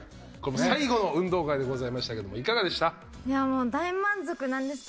最後の運動会でございましたけどもいかがでした？